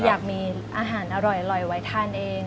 อยากมีอาหารอร่อยไว้ทานเอง